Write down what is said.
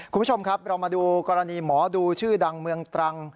คุณผู้ชมครับเรามาดูกรณีหมอดูชื่อดังเมืองตรัง